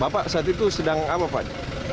bapak saat itu sedang apa pak